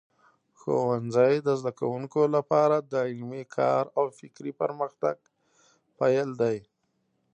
ښوونځی د زده کوونکو لپاره د علمي کار او فکري پرمختګ پیل دی.